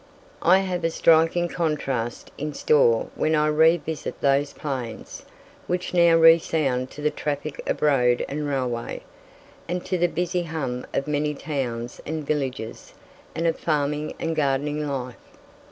I have a striking contrast in store when I revisit those plains, which now resound to the traffic of road and railway, and to the busy hum of many towns and villages and of farming and gardening life.